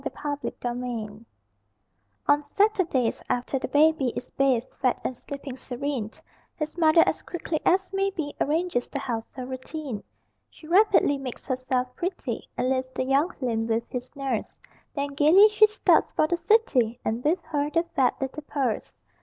THE FAT LITTLE PURSE On Saturdays, after the baby Is bathed, fed, and sleeping serene, His mother, as quickly as may be, Arranges the household routine. She rapidly makes herself pretty And leaves the young limb with his nurse, Then gaily she starts for the city, And with her the fat little purse.